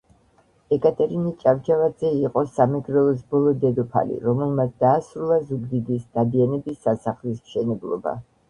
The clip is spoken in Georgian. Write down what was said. ეკატერინე ჭავჭავაძე იყო სამეგრელოს ბოლო დედოფალი, რომელმაც დაასრულა ზუგდიდის დადიანების სასახლის მშენებლობა